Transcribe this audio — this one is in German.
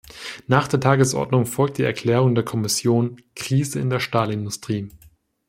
Nach der Tagesordnung folgt die Erklärung der Kommission – Krise in der Stahlindustrie.